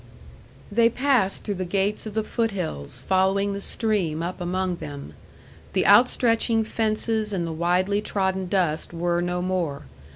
They passed through the gates of the foot hills, following the stream up among them. The outstretching fences and the widely trodden dust were no more.